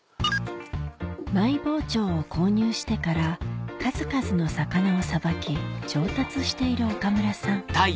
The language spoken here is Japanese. マイ包丁を購入してから数々の魚をさばき上達している岡村さん